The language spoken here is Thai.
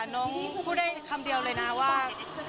น้องพูดได้คำเดียวเลยนะว่า